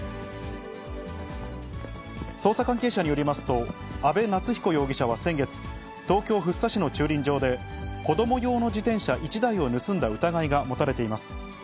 捜査関係者によりますと、安倍夏彦容疑者は先月、東京・福生市の駐輪場で、子ども用の自転車１台を盗んだ疑いが持たれています。